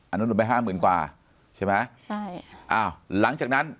อนุลไปห้าหมื่นกว่าใช่ไหมใช่อ้าวหลังจากนั้น